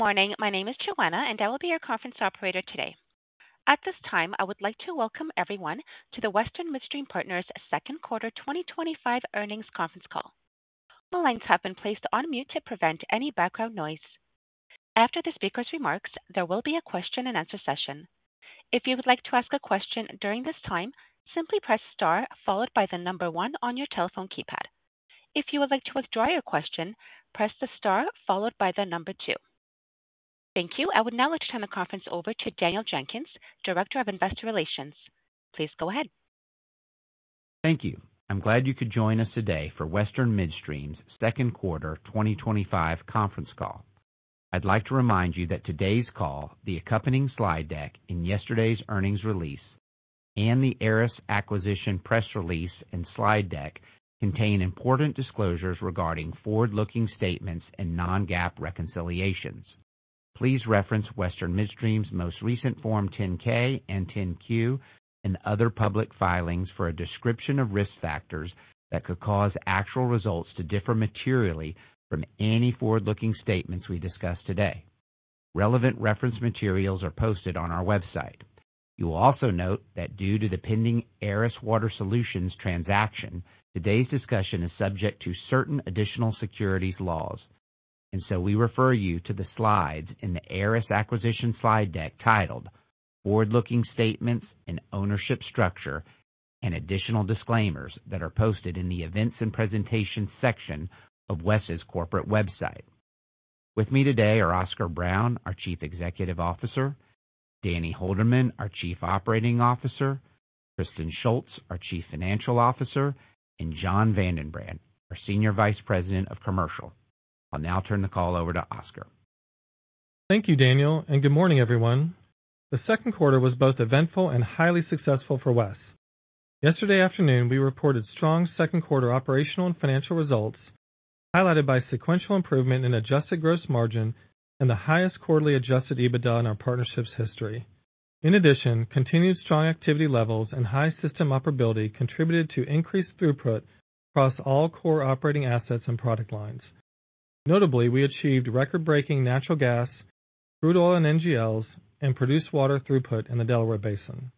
Morning. My name is Joanna, and I will be your conference operator today. At this time, I would like to welcome everyone to the Western Midstream Partners Second Quarter 2025 Earnings Conference Call. All lines have been placed on mute to prevent any background noise. After the speaker's remarks, there will be a question-and-answer session. If you would like to ask a question during this time, simply press star followed by the number one on your telephone keypad. If you would like to withdraw your question, press the star followed by the number two. Thank you. I would now like to turn the conference over to Daniel Jenkins, Director of Investor Relations. Please go ahead. Thank you. I'm glad you could join us today for Western Midstream's Second Quarter 2025 Conference Call. I'd like to remind you that today's call, the accompanying slide deck, yesterday's earnings release, the Aris acquisition press release, and slide deck contain important disclosures regarding forward-looking statements and non-GAAP reconciliations. Please reference Western Midstream's most recent Form 10-K and 10-Q and other public filings for a description of risk factors that could cause actual results to differ materially from any forward-looking statements we discuss today. Relevant reference materials are posted on our website. You will also note that due to the pending Aris Water Solutions transaction, today's discussion is subject to certain additional securities laws. We refer you to the slides in the Aris acquisition slide deck titled "Forward-Looking Statements and Ownership Structure," and additional disclaimers that are posted in the Events and Presentations section of WES's corporate website. With me today are Oscar Brown, our Chief Executive Officer; Danny Holderman, our Chief Operating Officer; Kristen Shults, our Chief Financial Officer; and Jon VandenBrand, our Senior Vice President of Commercial. I'll now turn the call over to Oscar. Thank you, Daniel, and good morning, everyone. The second quarter was both eventful and highly successful for WES. Yesterday afternoon, we reported strong second quarter operational and financial results, highlighted by sequential improvement in adjusted gross margin and the highest quarterly adjusted EBITDA in our partnership's history. In addition, continued strong activity levels and high system operability contributed to increased throughput across all core operating assets and product lines. Notably, we achieved record-breaking natural gas, crude oil, and NGLs and produced water throughput in the Delaware Basin.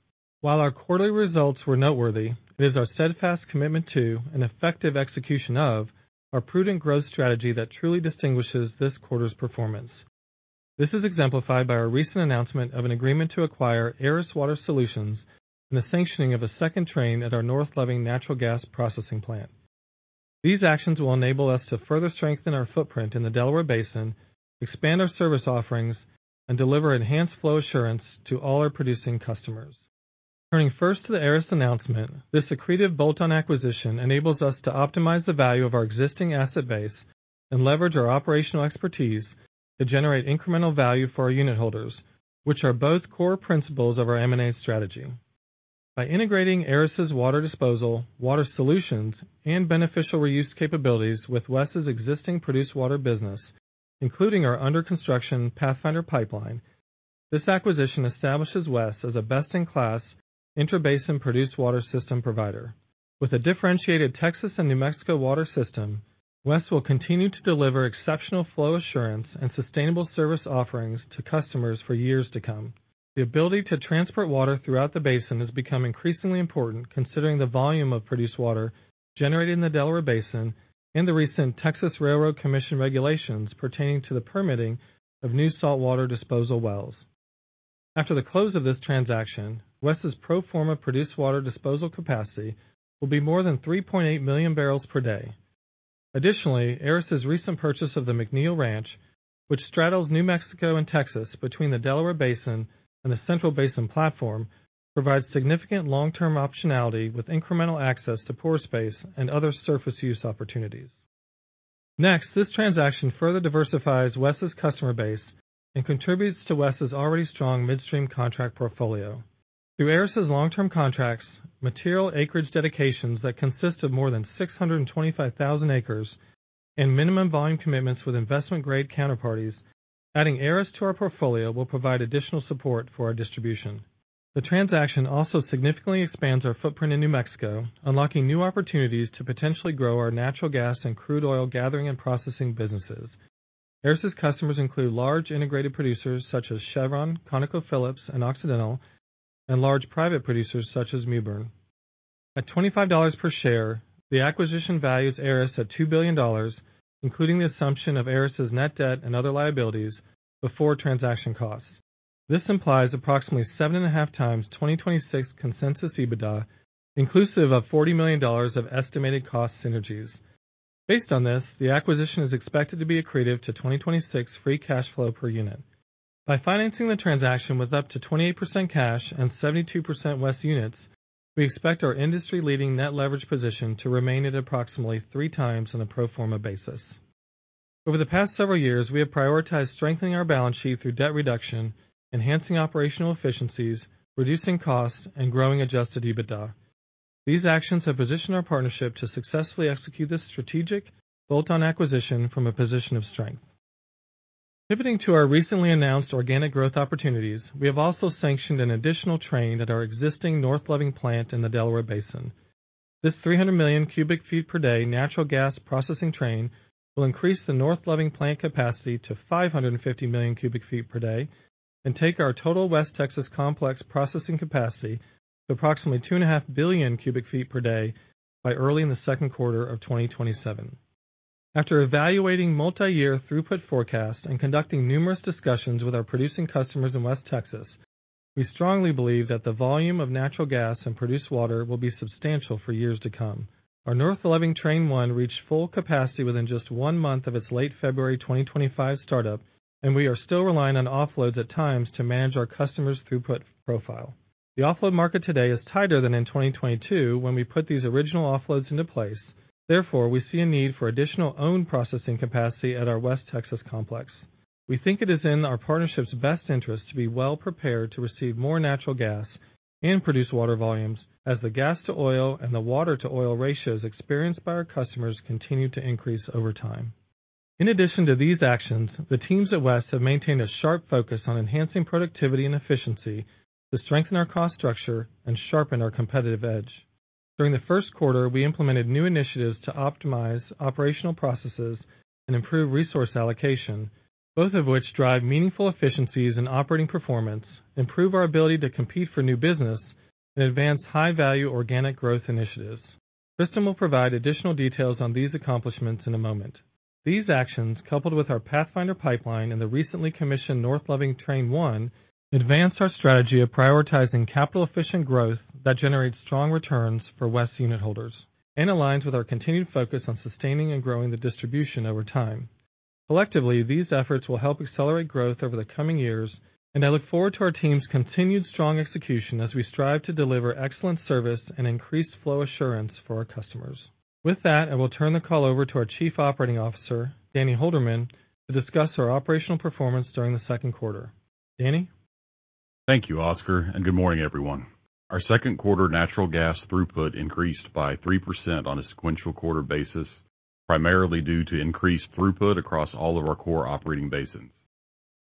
While our quarterly results were noteworthy, it is our steadfast commitment to and effective execution of our prudent growth strategy that truly distinguishes this quarter's performance. This is exemplified by our recent announcement of an agreement to acquire Aris Water Solutions and the sanctioning of a second train at our North Loving natural gas processing plant. These actions will enable us to further strengthen our footprint in the Delaware Basin, expand our service offerings, and deliver enhanced flow assurance to all our producing customers. Turning first to the Aris announcement, this accretive bolt-on acquisition enables us to optimize the value of our existing asset base and leverage our operational expertise to generate incremental value for our unit holders, which are both core principles of our M&A strategy. By integrating Aris's water disposal, water solutions, and beneficial reuse capabilities with WES's existing produced water business, including our under-construction Pathfinder pipeline, this acquisition establishes WES as a best-in-class intrabasin produced water system provider. With a differentiated Texas and New Mexico water system, WES will continue to deliver exceptional flow assurance and sustainable service offerings to customers for years to come. The ability to transport water throughout the basin has become increasingly important considering the volume of produced water generated in the Delaware Basin and the recent Texas Railroad Commission regulations pertaining to the permitting of new saltwater disposal wells. After the close of this transaction, WES's pro forma produced water disposal capacity will be more than 3.8 million bbl/d. Additionally, Aris's recent purchase of the McNeill Ranch, which straddles New Mexico and Texas between the Delaware Basin and the Central Basin Platform, provides significant long-term optionality with incremental access to pore space and other surface use opportunities. Next, this transaction further diversifies WES's customer base and contributes to WES's already strong midstream contract portfolio. Through Aris's long-term contracts, material acreage dedications that consist of more than 625,000 acres, and minimum volume commitments with investment-grade counterparties, adding Aris to our portfolio will provide additional support for our distribution. The transaction also significantly expands our footprint in New Mexico, unlocking new opportunities to potentially grow our natural gas and crude oil gathering and processing businesses. Aris's customers include large integrated producers such as Chevron, ConocoPhillips, and Occidental, and large private producers such as Mewbourne. At $25 per share, the acquisition values Aris at $2 billion, including the assumption of Aris's net debt and other liabilities before transaction costs. This implies approximately 7.5x 2026 consensus EBITDA, inclusive of $40 million of estimated cost synergies. Based on this, the acquisition is expected to be accretive to 2026 free cash flow per unit. By financing the transaction with up to 28% cash and 72% WES units, we expect our industry-leading net leverage position to remain at approximately 3x on a pro forma basis. Over the past several years, we have prioritized strengthening our balance sheet through debt reduction, enhancing operational efficiencies, reducing costs, and growing adjusted EBITDA. These actions have positioned our partnership to successfully execute this strategic bolt-on acquisition from a position of strength. Pivoting to our recently announced organic growth opportunities, we have also sanctioned an additional train at our existing North Loving plant in the Delaware Basin. This 300 MMcf/d natural gas processing train will increase the North Loving plant capacity to 550 MMcf/d and take our total West Texas complex processing capacity to approximately 2.5 Bcf/d by early in the second quarter of 2027. After evaluating multi-year throughput forecasts and conducting numerous discussions with our producing customers in West Texas, we strongly believe that the volume of natural gas and produced water will be substantial for years to come. Our North Loving Train I reached full capacity within just one month of its late February 2025 startup, and we are still relying on offloads at times to manage our customers' throughput profile. The offload market today is tighter than in 2022 when we put these original offloads into place. Therefore, we see a need for additional owned processing capacity at our West Texas complex. We think it is in our partnership's best interest to be well prepared to receive more natural gas and produced water volumes, as the gas-to-oil and the water-to-oil ratios experienced by our customers continue to increase over time. In addition to these actions, the teams at WES have maintained a sharp focus on enhancing productivity and efficiency to strengthen our cost structure and sharpen our competitive edge. During the first quarter, we implemented new initiatives to optimize operational processes and improve resource allocation, both of which drive meaningful efficiencies in operating performance, improve our ability to compete for new business, and advance high-value organic growth initiatives. Kristen will provide additional details on these accomplishments in a moment. These actions, coupled with our Pathfinder pipeline and the recently commissioned North Loving Train I, advance our strategy of prioritizing capital-efficient growth that generates strong returns for WES unit holders and aligns with our continued focus on sustaining and growing the distribution over time. Collectively, these efforts will help accelerate growth over the coming years, and I look forward to our team's continued strong execution as we strive to deliver excellent service and increased flow assurance for our customers. With that, I will turn the call over to our Chief Operating Officer, Danny Holderman, to discuss our operational performance during the second quarter. Danny? Thank you, Oscar, and good morning, everyone. Our second quarter natural gas throughput increased by 3% on a sequential quarter basis, primarily due to increased throughput across all of our core operating basins.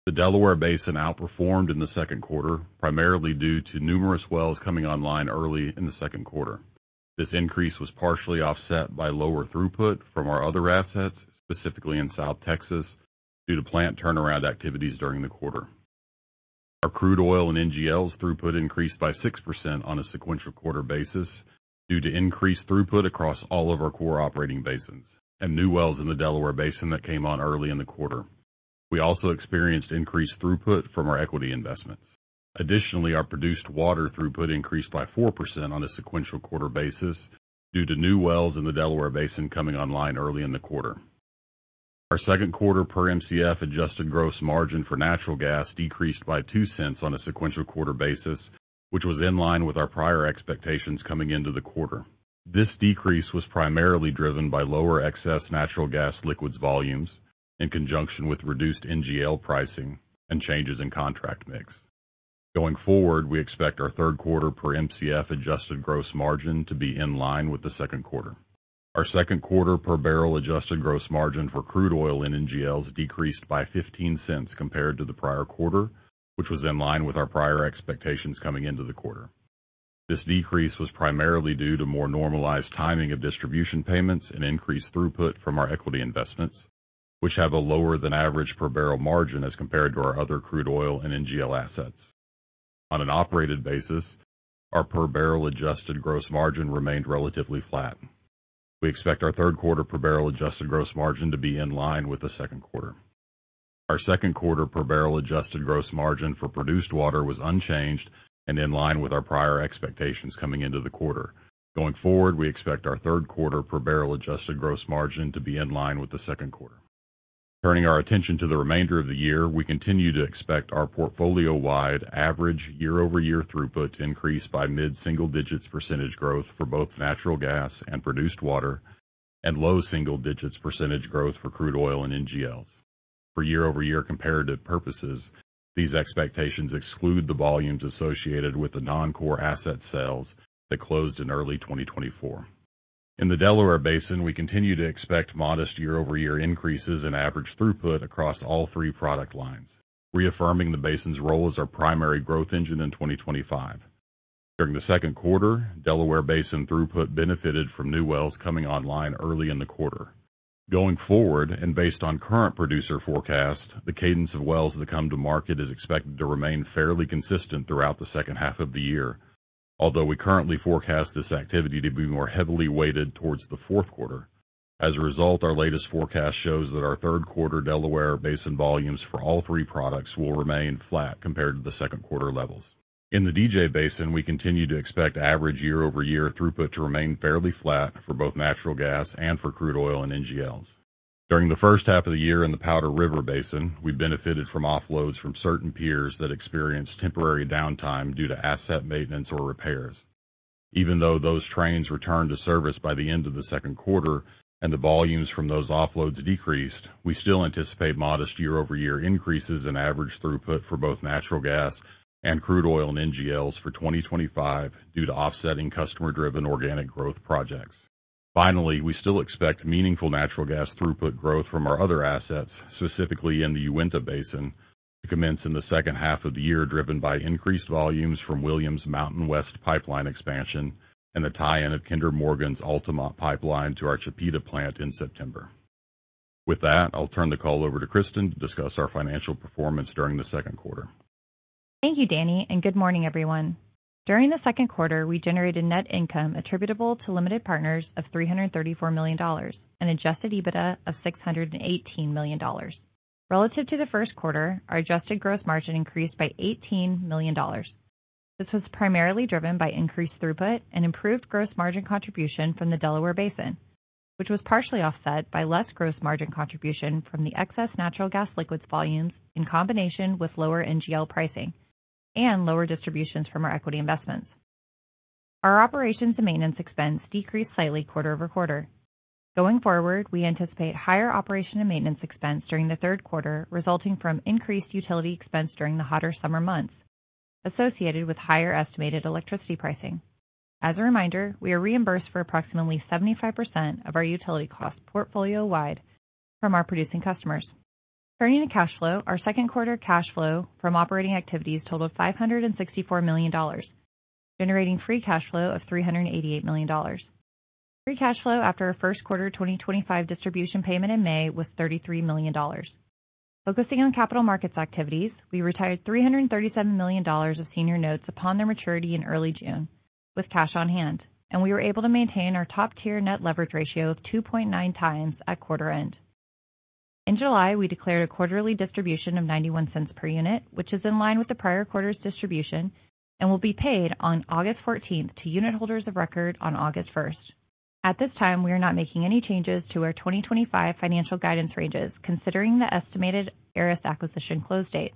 The Delaware Basin outperformed in the second quarter, primarily due to numerous wells coming online early in the second quarter. This increase was partially offset by lower throughput from our other assets, specifically in South Texas, due to plant turnaround activities during the quarter. Our crude oil and NGLs throughput increased by 6% on a sequential quarter basis due to increased throughput across all of our core operating basins and new wells in the Delaware Basin that came on early in the quarter. We also experienced increased throughput from our equity investment. Additionally, our produced water throughput increased by 4% on a sequential quarter basis due to new wells in the Delaware Basin coming online early in the quarter. Our second quarter per Mcf adjusted gross margin for natural gas decreased by $0.02 on a sequential quarter basis, which was in line with our prior expectations coming into the quarter. This decrease was primarily driven by lower excess natural gas liquids volumes in conjunction with reduced NGL pricing and changes in contract mix. Going forward, we expect our third quarter per Mcf adjusted gross margin to be in line with the second quarter. Our second quarter per barrel adjusted gross margin for crude oil and NGLs decreased by $0.15 compared to the prior quarter, which was in line with our prior expectations coming into the quarter. This decrease was primarily due to more normalized timing of distribution payments and increased throughput from our equity investments, which have a lower than average per barrel margin as compared to our other crude oil and NGL assets. On an operated basis, our per barrel adjusted gross margin remained relatively flat. We expect our third quarter per barrel adjusted gross margin to be in line with the second quarter. Our second quarter per barrel adjusted gross margin for produced water was unchanged and in line with our prior expectations coming into the quarter. Going forward, we expect our third quarter per barrel adjusted gross margin to be in line with the second quarter. Turning our attention to the remainder of the year, we continue to expect our portfolio-wide average year-over-year throughput to increase by mid-single digits percentage growth for both natural gas and produced water, and low single digits percentage growth for crude oil and NGLs. For year-over-year comparative purposes, these expectations exclude the volumes associated with the non-core asset sales that closed in early 2024. In the Delaware Basin, we continue to expect modest year-over-year increases in average throughput across all three product lines, reaffirming the basin's role as our primary growth engine in 2025. During the second quarter, Delaware Basin throughput benefited from new wells coming online early in the quarter. Going forward, and based on current producer forecasts, the cadence of wells that come to market is expected to remain fairly consistent throughout the second half of the year, although we currently forecast this activity to be more heavily weighted towards the fourth quarter. As a result, our latest forecast shows that our third quarter Delaware Basin volumes for all three products will remain flat compared to the second quarter levels. In the DJ Basin, we continue to expect average year-over-year throughput to remain fairly flat for both natural gas and for crude oil and NGLs. During the first half of the year in the Powder River Basin, we benefited from offloads from certain peers that experienced temporary downtime due to asset maintenance or repairs. Even though those trains returned to service by the end of the second quarter and the volumes from those offloads decreased, we still anticipate modest year-over-year increases in average throughput for both natural gas and crude oil and NGLs for 2025 due to offsetting customer-driven organic growth projects. Finally, we still expect meaningful natural gas throughput growth from our other assets, specifically in the Uinta Basin, to commence in the second half of the year, driven by increased volumes from Williams Mountain West pipeline expansion and the tie-in of Kinder Morgan's Altamont pipeline to our Chipeta plant in September. With that, I'll turn the call over to Kristen to discuss our financial performance during the second quarter. Thank you, Danny, and good morning, everyone. During the second quarter, we generated net income attributable to limited partners of $334 million and an adjusted EBITDA of $618 million. Relative to the first quarter, our adjusted gross margin increased by $18 million. This was primarily driven by increased throughput and improved gross margin contribution from the Delaware Basin, which was partially offset by less gross margin contribution from the excess natural gas liquids volumes in combination with lower NGL pricing and lower distributions from our equity investments. Our operations and maintenance expense decreased slightly quarter-over-quarter. Going forward, we anticipate higher operation and maintenance expense during the third quarter, resulting from increased utility expense during the hotter summer months associated with higher estimated electricity pricing. As a reminder, we are reimbursed for approximately 75% of our utility costs portfolio-wide from our producing customers. Turning to cash flow, our second quarter cash flow from operating activities totaled $564 million, generating free cash flow of $388 million. Free cash flow after our first quarter 2025 distribution payment in May was $33 million. Focusing on capital markets activities, we retired $337 million of senior notes upon their maturity in early June with cash on hand, and we were able to maintain our top-tier net leverage ratio of 2.9x at quarter end. In July, we declared a quarterly distribution of $0.91 per unit, which is in line with the prior quarter's distribution and will be paid on August 14th to unit holders of record on August 1st. At this time, we are not making any changes to our 2025 financial guidance ranges, considering the estimated Aris acquisition close date,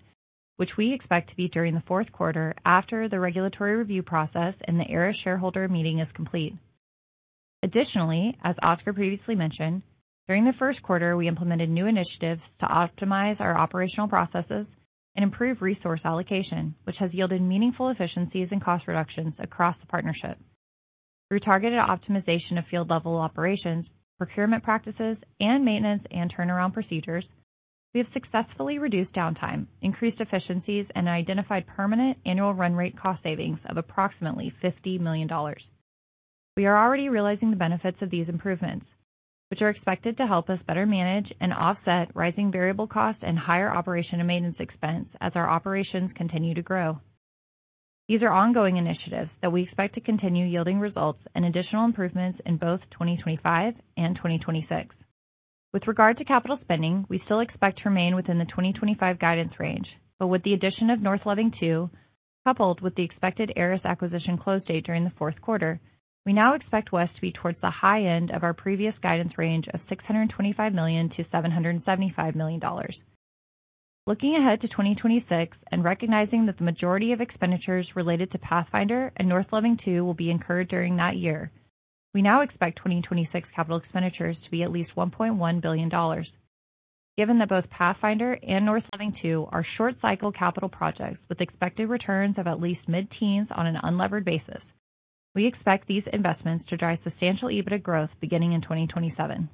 which we expect to be during the fourth quarter after the regulatory review process and the Aris shareholder meeting is complete. Additionally, as Oscar previously mentioned, during the first quarter, we implemented new initiatives to optimize our operational processes and improve resource allocation, which has yielded meaningful efficiencies and cost reductions across the partnership. Through targeted optimization of field-level operations, procurement practices, and maintenance and turnaround procedures, we have successfully reduced downtime, increased efficiencies, and identified permanent annual run rate cost savings of approximately $50 million. We are already realizing the benefits of these improvements, which are expected to help us better manage and offset rising variable costs and higher operation and maintenance expense as our operations continue to grow. These are ongoing initiatives that we expect to continue yielding results and additional improvements in both 2025 and 2026. With regard to capital spending, we still expect to remain within the 2025 guidance range, but with the addition of North Loving II, coupled with the expected Aris acquisition close date during the fourth quarter, we now expect WES to be towards the high end of our previous guidance range of $625 million-$775 million. Looking ahead to 2026 and recognizing that the majority of expenditures related to Pathfinder and North Loving II will be incurred during that year, we now expect 2026 capital expenditures to be at least $1.1 billion. Given that both Pathfinder and North Loving II are short-cycle capital projects with expected returns of at least mid-teens on an unlevered basis, we expect these investments to drive substantial EBITDA growth beginning in 2027.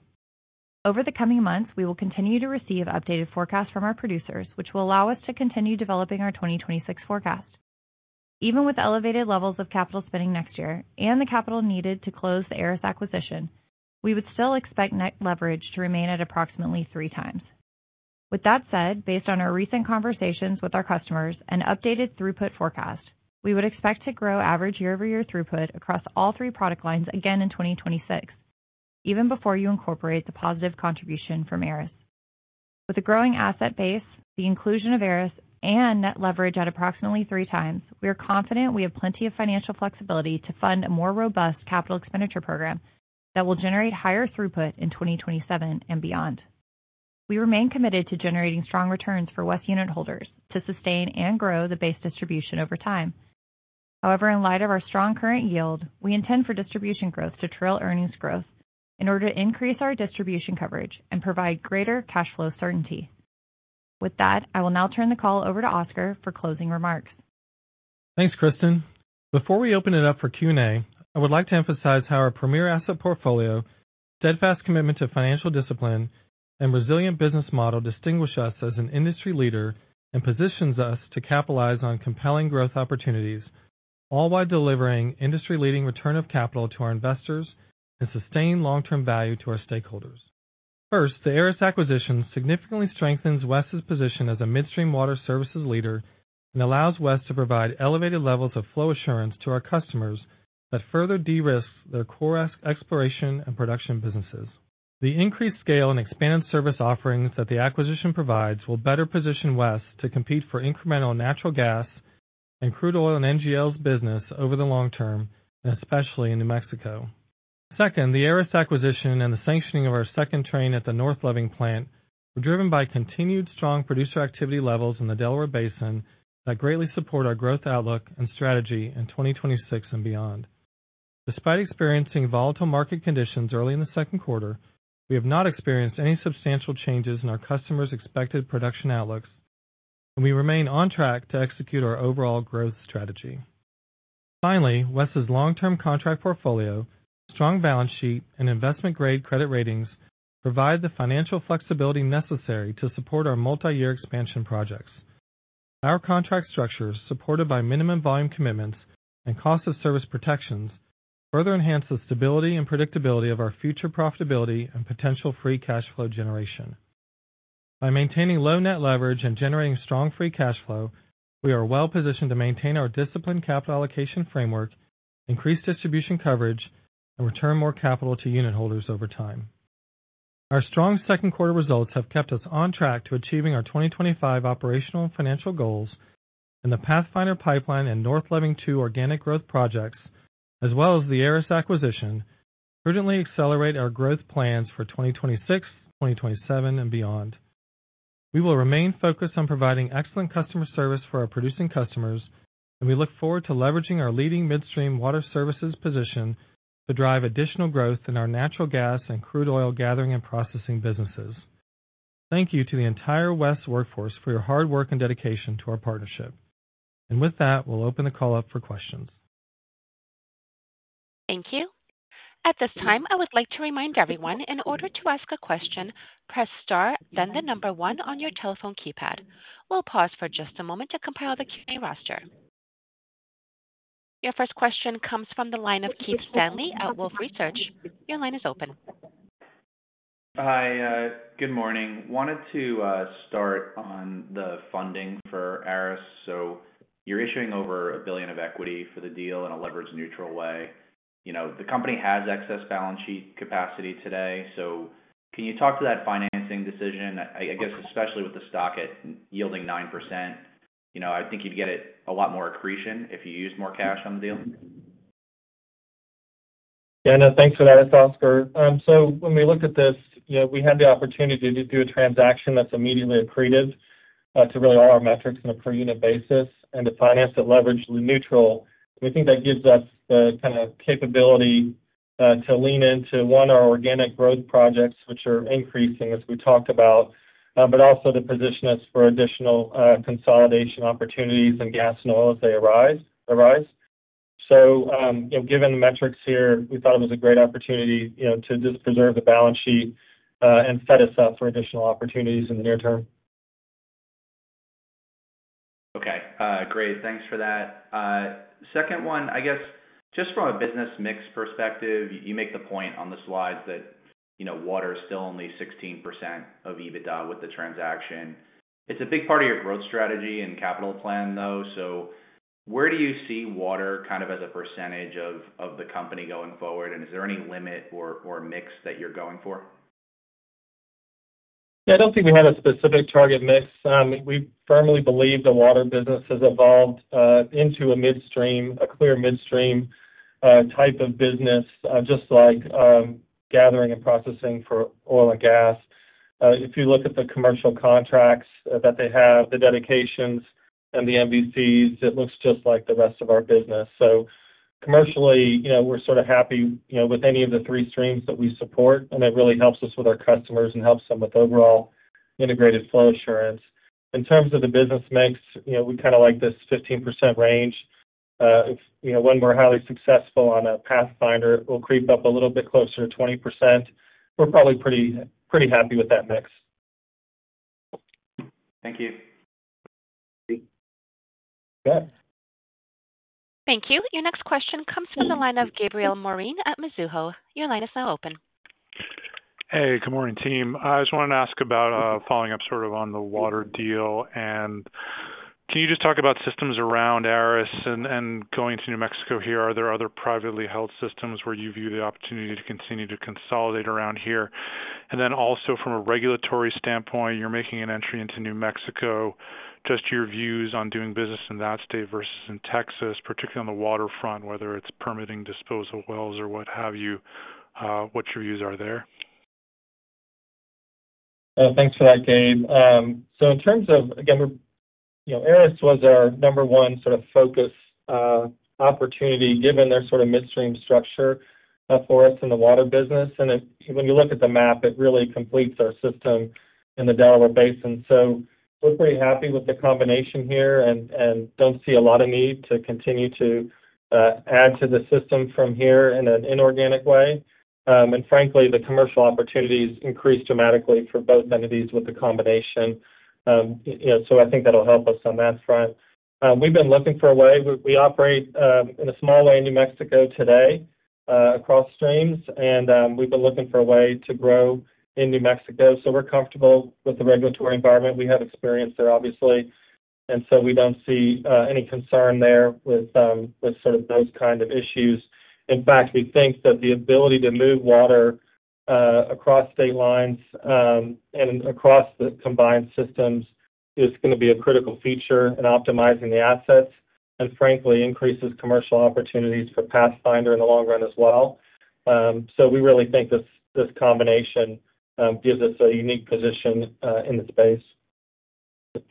Over the coming months, we will continue to receive updated forecasts from our producers, which will allow us to continue developing our 2026 forecast. Even with elevated levels of capital spending next year and the capital needed to close the Aris acquisition, we would still expect net leverage to remain at approximately 3x. With that said, based on our recent conversations with our customers and updated throughput forecast, we would expect to grow average year-over-year throughput across all three product lines again in 2026, even before you incorporate the positive contribution from Aris. With a growing asset base, the inclusion of Aris, and net leverage at approximately 3x, we are confident we have plenty of financial flexibility to fund a more robust capital expenditure program that will generate higher throughput in 2027 and beyond. We remain committed to generating strong returns for WES unit holders to sustain and grow the base distribution over time. However, in light of our strong current yield, we intend for distribution growth to trail earnings growth in order to increase our distribution coverage and provide greater cash flow certainty. With that, I will now turn the call over to Oscar for closing remarks. Thanks, Kristen. Before we open it up for Q&A, I would like to emphasize how our premier asset portfolio, steadfast commitment to financial discipline, and resilient business model distinguish us as an industry leader and position us to capitalize on compelling growth opportunities, all while delivering industry-leading return of capital to our investors and sustained long-term value to our stakeholders. First, the Aris acquisition significantly strengthens WES's position as a midstream water services leader and allows WES to provide elevated levels of flow assurance to our customers that further de-risk their core exploration and production businesses. The increased scale and expanded service offerings that the acquisition provides will better position WES to compete for incremental natural gas and crude oil and NGLs business over the long term, especially in New Mexico. Second, the Aris acquisition and the sanctioning of our second train at the North Loving plant were driven by continued strong producer activity levels in the Delaware Basin that greatly support our growth outlook and strategy in 2026 and beyond. Despite experiencing volatile market conditions early in the second quarter, we have not experienced any substantial changes in our customers' expected production outlooks, and we remain on track to execute our overall growth strategy. Finally, WES's long-term contract portfolio, strong balance sheet, and investment-grade credit ratings provide the financial flexibility necessary to support our multi-year expansion projects. Our contract structures, supported by minimum volume commitments and cost of service protections, further enhance the stability and predictability of our future profitability and potential free cash flow generation. By maintaining low net leverage and generating strong free cash flow, we are well positioned to maintain our disciplined capital allocation framework, increase distribution coverage, and return more capital to unit holders over time. Our strong second quarter results have kept us on track to achieving our 2025 operational and financial goals, and the Pathfinder pipeline and North Loving II organic growth projects, as well as the Aris acquisition, urgently accelerate our growth plans for 2026, 2027, and beyond. We will remain focused on providing excellent customer service for our producing customers, and we look forward to leveraging our leading midstream water services position to drive additional growth in our natural gas and crude oil gathering and processing businesses. Thank you to the entire WES workforce for your hard work and dedication to our partnership. With that, we'll open the call up for questions. Thank you. At this time, I would like to remind everyone, in order to ask a question, press star, then the number one on your telephone keypad. We'll pause for just a moment to compile the Q&A roster. Your first question comes from the line of Keith Stanley at Wolfe Research. Your line is open. Hi, good morning. Wanted to start on the funding for Aris. You're issuing over $1 billion of equity for the deal in a leverage-neutral way. The company has excess balance sheet capacity today. Can you talk to that financing decision? Especially with the stock yielding 9%, I think you'd get a lot more accretion if you use more cash on the deal. Yeah, no, thanks for that, Oscar. When we looked at this, we had the opportunity to do a transaction that's immediately accretive to really all our metrics on a per unit basis and to finance it leverage neutral. We think that gives us the kind of capability to lean into one of our organic growth projects, which are increasing, as we talked about, but also to position us for additional consolidation opportunities in gas and oil as they arise. Given the metrics here, we thought it was a great opportunity to just preserve the balance sheet and set us up for additional opportunities in the near term. Okay, great. Thanks for that. Second one, I guess, just from a business mix perspective, you make the point on the slides that, you know, water is still only 16% of EBITDA with the transaction. It's a big part of your growth strategy and capital plan, though. Where do you see water kind of as a percentage of the company going forward? Is there any limit or mix that you're going for? Yeah, I don't think we have a specific target mix. We firmly believe the water business has evolved into a midstream, a clear midstream type of business, just like gathering and processing for oil and gas. If you look at the commercial contracts that they have, the dedications, and the MVCs, it looks just like the rest of our business. Commercially, we're sort of happy with any of the three streams that we support, and it really helps us with our customers and helps them with overall integrated flow assurance. In terms of the business mix, we kind of like this 15% range. If, when we're highly successful on a Pathfinder, it will creep up a little bit closer to 20%. We're probably pretty happy with that mix. Thank you. Thank you. Your next question comes from the line of Gabriel Moreen at Mizuho. Your line is now open. Hey, good morning, team. I just wanted to ask about following up sort of on the water deal. Can you just talk about systems around Aris and going to New Mexico here? Are there other privately held systems where you view the opportunity to continue to consolidate around here? Also, from a regulatory standpoint, you're making an entry into New Mexico, just your views on doing business in that state versus in Texas, particularly on the waterfront, whether it's permitting disposal wells or what have you, what your views are there? Thanks for that, Gabe. In terms of, again, you know, Aris was our number one sort of focus opportunity given their sort of midstream structure for us in the water business. When you look at the map, it really completes our system in the Delaware Basin. We're pretty happy with the combination here and don't see a lot of need to continue to add to the system from here in an inorganic way. Frankly, the commercial opportunities increase dramatically for both entities with the combination. I think that'll help us on that front. We've been looking for a way. We operate in a small way in New Mexico today across streams, and we've been looking for a way to grow in New Mexico. We're comfortable with the regulatory environment. We have experience there, obviously, and we don't see any concern there with sort of those kinds of issues. In fact, we think that the ability to move water across state lines and across the combined systems is going to be a critical feature in optimizing the assets and frankly increases commercial opportunities for Pathfinder in the long run as well. We really think this combination gives us a unique position in the space.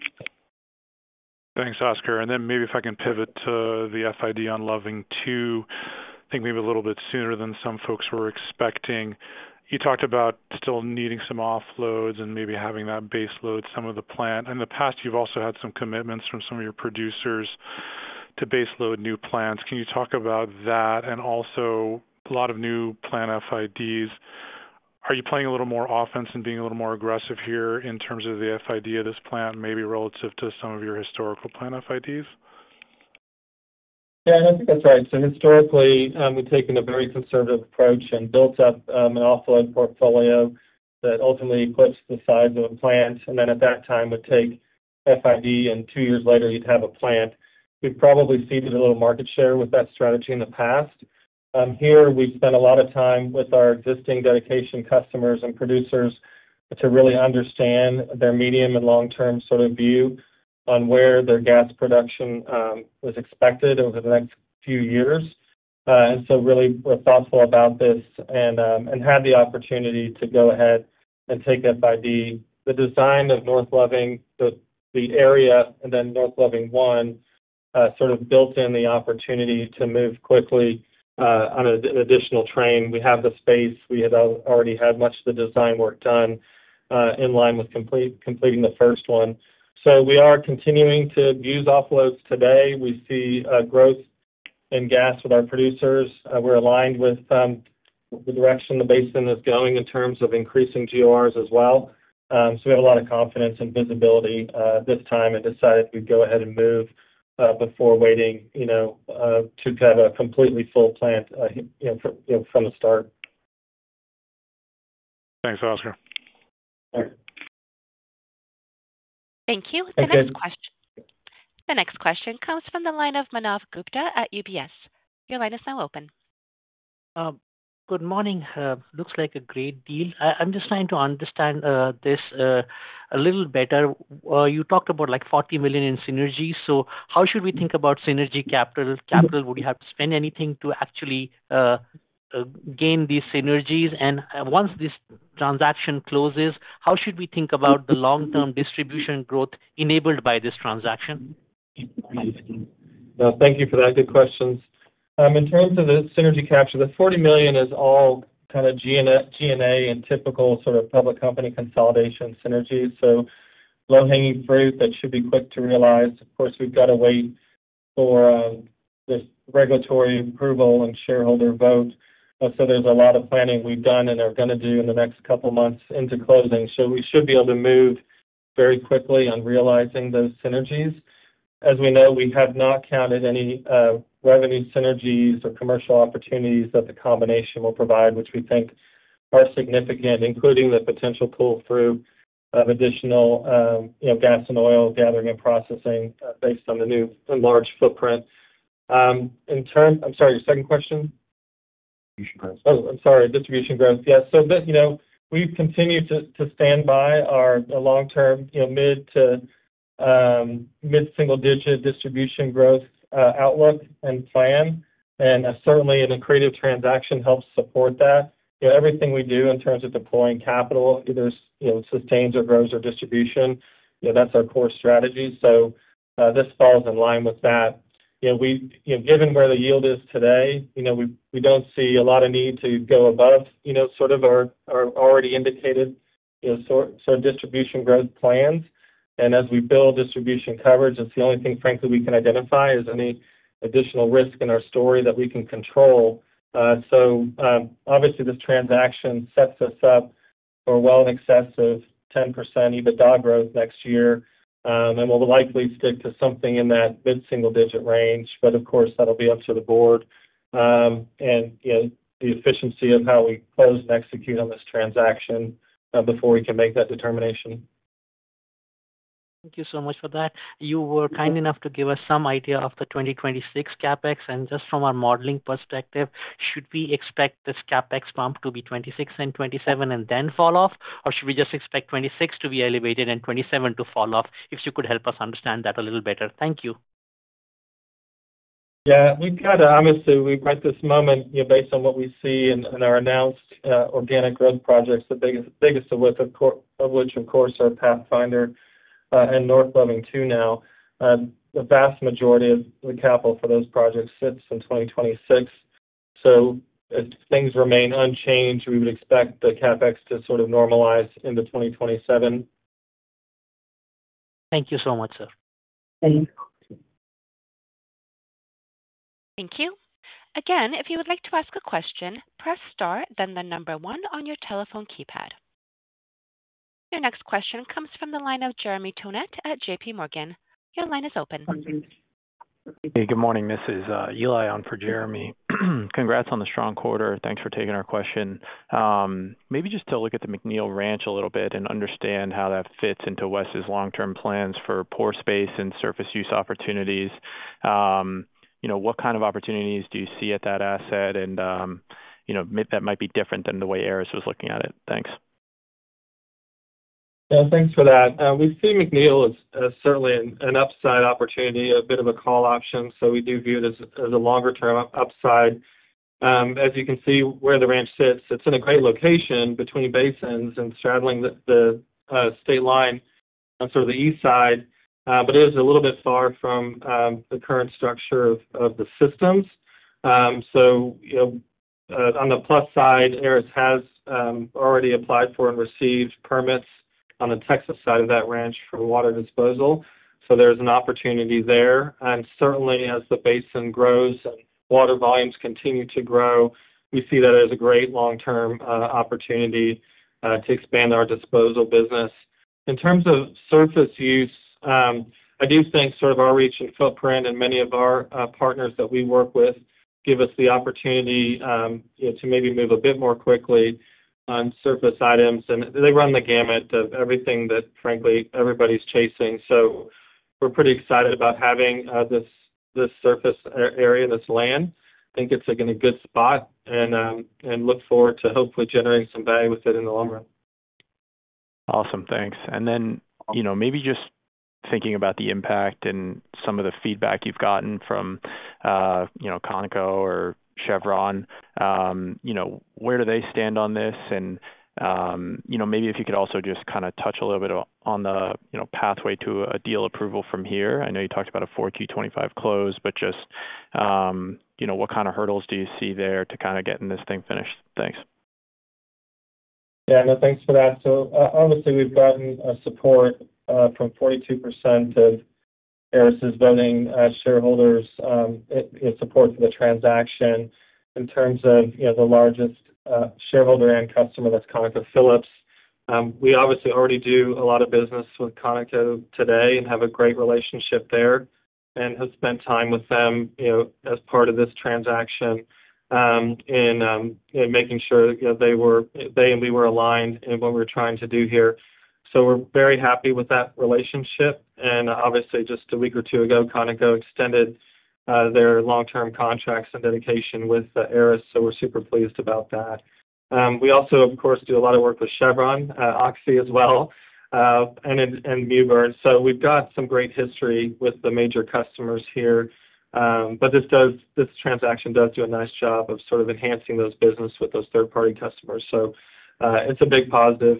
Thanks, Oscar. Maybe if I can pivot to the FID on North Loving II, I think maybe a little bit sooner than some folks were expecting. You talked about still needing some offloads and maybe having that baseload some of the plant. In the past, you've also had some commitments from some of your producers to baseload new plants. Can you talk about that and also a lot of new plant FIDs? Are you playing a little more offense and being a little more aggressive here in terms of the FID of this plant, maybe relative to some of your historical plant FIDs? Yeah, I think that's right. Historically, we've taken a very conservative approach and built up an offline portfolio that ultimately puts the size of the plant. At that time, we'd take FID, and two years later, you'd have a plant. We've probably ceded a little market share with that strategy in the past. Here, we've spent a lot of time with our existing dedication customers and producers to really understand their medium and long-term sort of view on where their gas production was expected over the next few years. We're thoughtful about this and had the opportunity to go ahead and take FID. The design of North Loving, the area, and then North Loving 1 built in the opportunity to move quickly on an additional train. We have the space. We had already had much of the design work done in line with completing the first one. We are continuing to use offloads today. We see growth in gas with our producers. We're aligned with the direction the basin is going in terms of increasing GORs as well. We have a lot of confidence and visibility this time and decided we'd go ahead and move before waiting to have a completely full plant from the start. Thanks, Oscar. Thank you. The next question comes from the line of Manav Gupta at UBS. Your line is now open. Good morning. Looks like a great deal. I'm just trying to understand this a little better. You talked about like $40 million in synergy. How should we think about synergy capital? Would you have to spend anything to actually gain these synergies? Once this transaction closes, how should we think about the long-term distribution growth enabled by this transaction? Thank you for that. Good questions. In terms of the synergy capture, the $40 million is all kind of G&A and typical sort of public company consolidation synergy. Low-hanging fruit that should be quick to realize. Of course, we've got to wait for this regulatory approval and shareholder vote. There's a lot of planning we've done and are going to do in the next couple of months into closing. We should be able to move very quickly on realizing those synergies. As we know, we have not counted any revenue synergies or commercial opportunities that the combination will provide, which we think are significant, including the potential pull-through of additional, you know, gas and oil gathering and processing based on the new and large footprint. In terms, I'm sorry, your second question? Distribution growth. Oh, I'm sorry. Distribution growth. Yeah. We've continued to stand by our long-term, mid-single-digit distribution growth outlook and plan. Certainly, an accretive transaction helps support that. Everything we do in terms of deploying capital either sustains or grows our distribution. That's our core strategy. This falls in line with that. Given where the yield is today, we don't see a lot of need to go above our already indicated distribution growth plans. As we build distribution coverage, that's the only thing, frankly, we can identify as any additional risk in our story that we can control. Obviously, this transaction sets us up for well in excess of 10% EBITDA growth next year, and we'll likely stick to something in that mid-single-digit range, but of course, that'll be up to the board. The efficiency of how we close and execute on this transaction will be important before we can make that determination. Thank you so much for that. You were kind enough to give us some idea of the 2026 CapEx. Just from our modeling perspective, should we expect this CapEx bump to be 2026 and 2027 and then fall off, or should we just expect 2026 to be elevated and 2027 to fall off? If you could help us understand that a little better. Thank you. Yeah, we've got to, obviously, we've met this moment, you know, based on what we see in our announced organic growth projects, the biggest of which, of course, are Pathfinder and North Loving II now. The vast majority of the capital for those projects fits in 2026. If things remain unchanged, we would expect the CapEx to sort of normalize into 2027. Thank you so much, sir. Thank you. Again, if you would like to ask a question, press star, then the number one on your telephone keypad. Your next question comes from the line of Jeremy Tonet at JPMorgan. Your line is open. Hey, good morning. This is Eli on for Jeremy. Congrats on the strong quarter. Thanks for taking our question. Maybe just to look at the McNeill Ranch a little bit and understand how that fits into WES's long-term plans for pore space and surface use opportunities. What kind of opportunities do you see at that asset? You know, that might be different than the way Aris was looking at it. Thanks. Yeah, thanks for that. We see McNeill as certainly an upside opportunity, a bit of a call option. We do view it as a longer-term upside. As you can see where the ranch sits, it's in a great location between basins and straddling the state line on the east side, but it is a little bit far from the current structure of the systems. On the plus side, Aris has already applied for and received permits on the Texas side of that ranch for water disposal. There's an opportunity there. Certainly, as the basin grows and water volumes continue to grow, we see that as a great long-term opportunity to expand our disposal business. In terms of surface use, I do think our reach and footprint and many of our partners that we work with give us the opportunity to maybe move a bit more quickly on surface items. They run the gamut of everything that, frankly, everybody's chasing. We're pretty excited about having this surface area, this land. I think it's in a good spot and look forward to hopefully generating some value with it in the long run. Awesome. Thanks. Maybe just thinking about the impact and some of the feedback you've gotten from ConocoPhillips or Chevron. Where do they stand on this? Maybe if you could also just kind of touch a little bit on the pathway to a deal approval from here. I know you talked about a 4Q 2025 close, but just what kind of hurdles do you see there to getting this thing finished? Thanks. Yeah, no, thanks for that. Obviously, we've gotten support from 42% of Aris's voting shareholders in support of the transaction. In terms of the largest shareholder and customer, that's Phillips. We obviously already do a lot of business with Conoco today and have a great relationship there and have spent time with them as part of this transaction in making sure they were, they and we were aligned in what we were trying to do here. We're very happy with that relationship. Obviously, just a week or two ago, Conoco extended their long-term contracts and dedication with Aris, so we're super pleased about that. We also, of course, do a lot of work with Chevron, Oxy as well, and Mewbourne. We've got some great history with the major customers here. This transaction does do a nice job of sort of enhancing those businesses with those third-party customers. It's a big positive.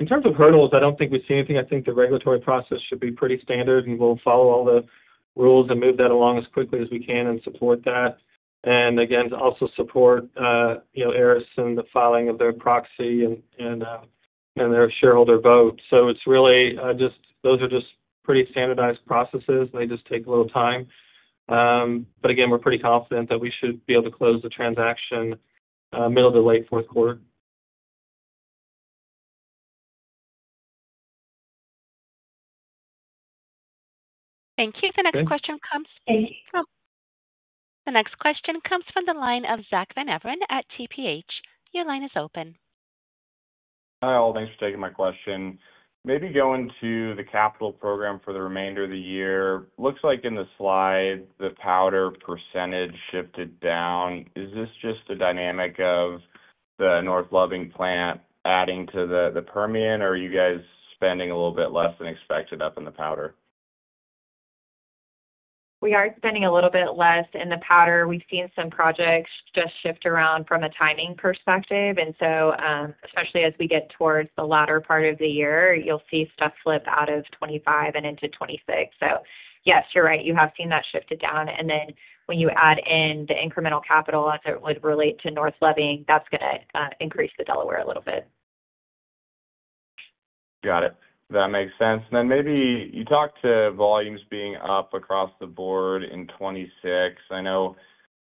In terms of hurdles, I don't think we see anything. I think the regulatory process should be pretty standard. We'll follow all the rules and move that along as quickly as we can and support that. Again, to also support Aris in the filing of their proxy and their shareholder vote. Those are just pretty standardized processes. They just take a little time. Again, we're pretty confident that we should be able to close the transaction middle to late fourth quarter. Thank you. The next question comes from the line of Zack Van Everen at TPH. Your line is open. Hi, all. Thanks for taking my question. Maybe going to the capital program for the remainder of the year. Looks like in the slide, the Powder percentage shifted down. Is this just the dynamic of the North Loving plant adding to the Permian, or are you guys spending a little bit less than expected up in the Powder? We are spending a little bit less in the Powder. We've seen some projects just shift around from a timing perspective, and especially as we get towards the latter part of the year, you'll see stuff slip out of 2025 and into 2026. Yes, you're right, you have seen that shifted down. When you add in the incremental capital as it would relate to North Loving, that's going to increase the Delaware a little bit. Got it. That makes sense. Maybe you talked to volumes being up across the board in 2026. I know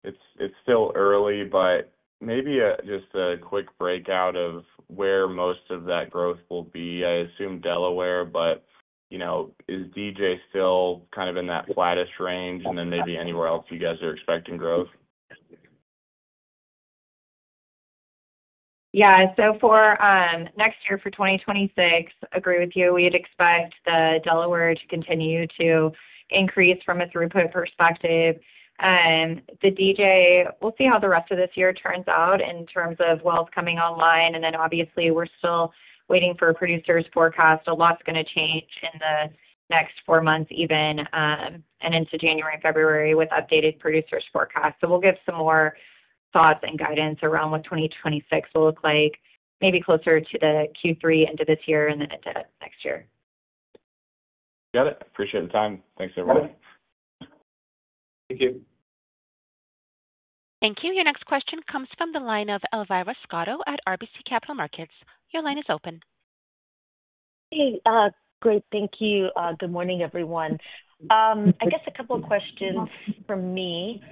it's still early, but maybe just a quick breakout of where most of that growth will be. I assume Delaware, but you know, is DJ still kind of in that flattest range and then maybe anywhere else you guys are expecting growth? Yeah. For next year, for 2026, I agree with you. We'd expect the Delaware to continue to increase from a throughput perspective. The DJ, we'll see how the rest of this year turns out in terms of wells coming online. Obviously, we're still waiting for producers' forecast. A lot's going to change in the next four months, even, and into January and February with updated producers' forecasts. We'll give some more thoughts and guidance around what 2026 will look like, maybe closer to the Q3 end of this year and then into next year. Got it. Appreciate your time. Thanks, everybody. Thank you. Thank you. Your next question comes from the line of Elvira Scotto at RBC Capital Markets. Your line is open. Great. Thank you. Good morning, everyone. I guess a couple of questions from me.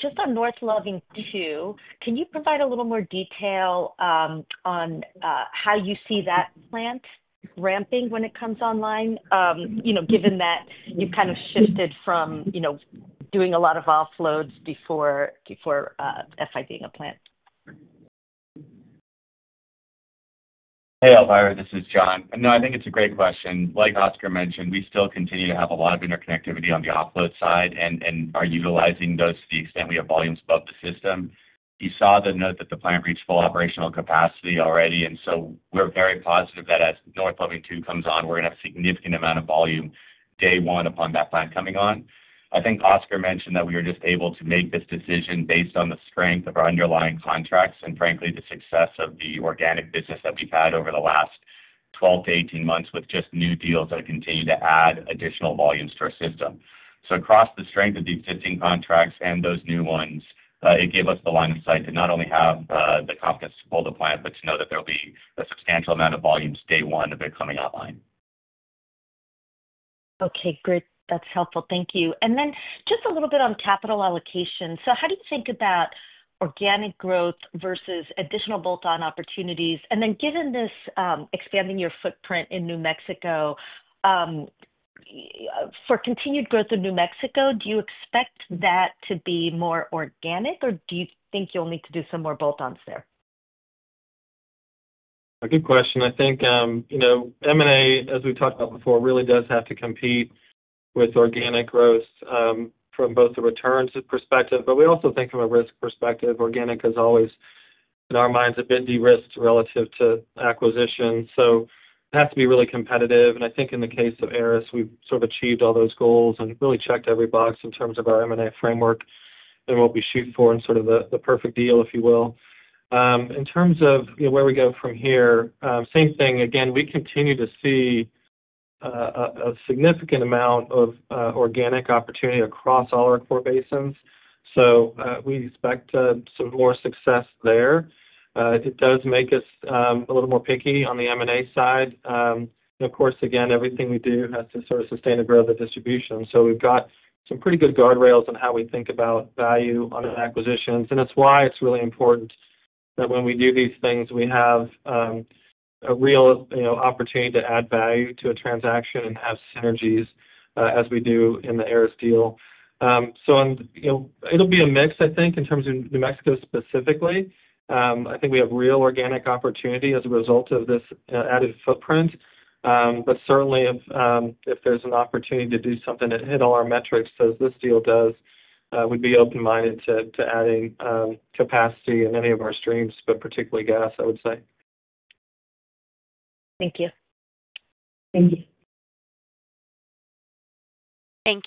Just on North Loving II, can you provide a little more detail on how you see that plant ramping when it comes online, given that you kind of shifted from doing a lot of offloads before FIDing a plant? Hey, Elvira. This is Jon. No, I think it's a great question. Like Oscar mentioned, we still continue to have a lot of interconnectivity on the offload side and are utilizing those to the extent we have volumes above the system. You saw the note that the plant reached full operational capacity already. We're very positive that as North Loving II comes on, we're going to have a significant amount of volume day one upon that plant coming on. I think Oscar mentioned that we were just able to make this decision based on the strength of our underlying contracts and, frankly, the success of the organic business that we've had over the last 12-18 months with just new deals that continue to add additional volumes to our system. Across the strength of the existing contracts and those new ones, it gave us the longest life to not only have the confidence to pull the plant, but to know that there'll be a substantial amount of volumes day one of it coming online. Okay, great. That's helpful. Thank you. Just a little bit on capital allocation. How do you think about organic growth versus additional bolt-on opportunities? Given this expanding your footprint in New Mexico, for continued growth in New Mexico, do you expect that to be more organic, or do you think you'll need to do some more bolt-ons there? A good question. I think, you know, M&A, as we talked about before, really does have to compete with organic growth from both the returns perspective, but we also think from a risk perspective, organic is always, in our minds, a bit de-risked relative to acquisition. It has to be really competitive. I think in the case of Aris, we've sort of achieved all those goals and really checked every box in terms of our M&A framework and what we shoot for in sort of the perfect deal, if you will. In terms of where we go from here, same thing. We continue to see a significant amount of organic opportunity across all our core basins. We expect some more success there. It does make us a little more picky on the M&A side. Of course, everything we do has to sort of sustain and grow the distribution. We've got some pretty good guardrails on how we think about value on acquisitions. It's why it's really important that when we do these things, we have a real, you know, opportunity to add value to a transaction and have synergies as we do in the Aris deal. It'll be a mix, I think, in terms of New Mexico specifically. I think we have real organic opportunity as a result of this added footprint. Certainly, if there's an opportunity to do something that hit all our metrics, as this deal does, we'd be open-minded to adding capacity in any of our streams, but particularly gas, I would say. Thank you. Thank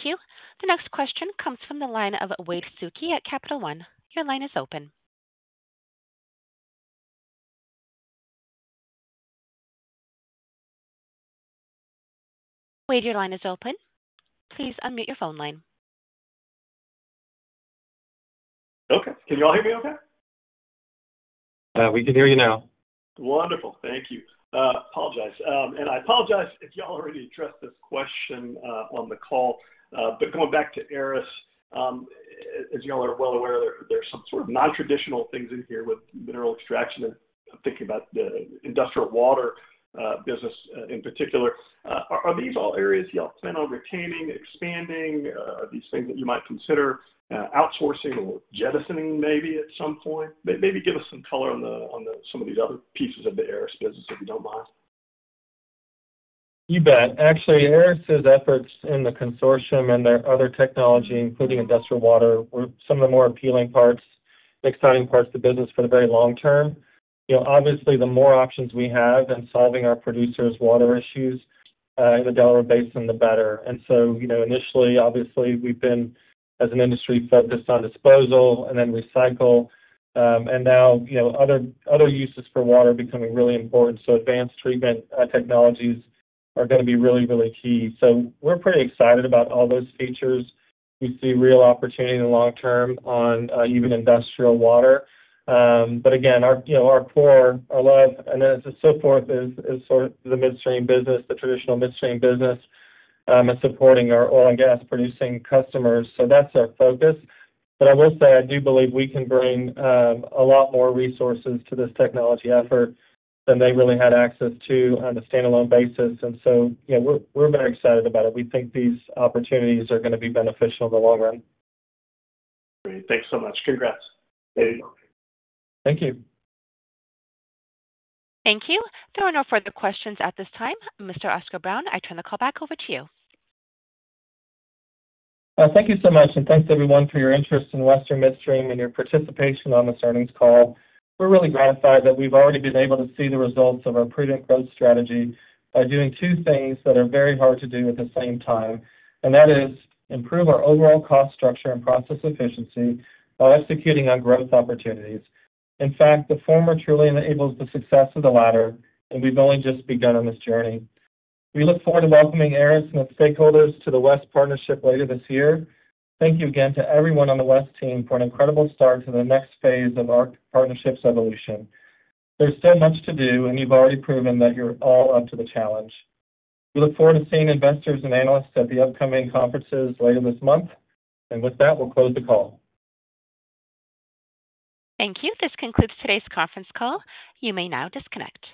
you. The next question comes from the line of Wade Suki at Capital One. Your line is open. Wade, your line is open. Please unmute your phone line. Okay, can you all hear me okay? We can hear you now. Wonderful. Thank you. I apologize if y'all already addressed this question on the call. Going back to Aris, as y'all are well aware, there's some sort of non-traditional things in here with mineral extraction and thinking about the industrial water business in particular. Are these all areas y'all plan on retaining, expanding? Are these things that you might consider outsourcing or jettisoning maybe at some point? Maybe give us some color on some of these other pieces of the Aris business, if you don't mind. You bet. Actually, Aris's efforts in the consortium and their other technology, including industrial water, were some of the more appealing parts, the exciting parts of the business for the very long term. Obviously, the more options we have in solving our producers' water issues in the Delaware Basin, the better. Initially, we've been, as an industry, focused on disposal and then recycle. Now, other uses for water are becoming really important. Advanced treatment technologies are going to be really, really key. We're pretty excited about all those features. We see real opportunity in the long term on even industrial water. Again, our core, our love and then so forth is sort of the midstream business, the traditional midstream business, and supporting our oil and gas producing customers. That's our focus. I will say I do believe we can bring a lot more resources to this technology effort than they really had access to on a standalone basis. We're very excited about it. We think these opportunities are going to be beneficial in the long run. Great. Thanks so much. Congrats. Thank you. Thank you. There are no further questions at this time. Mr. Oscar Brown, I turn the call back over to you. Thank you so much. Thank you, everyone, for your interest in Western Midstream and your participation on this earnings call. We're really gratified that we've already been able to see the results of our predict growth strategy by doing two things that are very hard to do at the same time. That is, improve our overall cost structure and process efficiency while executing on growth opportunities. In fact, the former truly enables the success of the latter, and we've only just begun on this journey. We look forward to welcoming Aris and its stakeholders to the WES partnership later this year. Thank you again to everyone on the WES team for an incredible start to the next phase of our partnership's evolution. There's still much to do, and you've already proven that you're all up to the challenge. We look forward to seeing investors and analysts at the upcoming conferences later this month. With that, we'll close the call. Thank you. This concludes today's conference call. You may now disconnect.